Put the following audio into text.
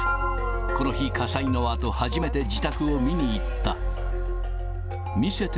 この日、火災のあと、初めて自宅を見に行った。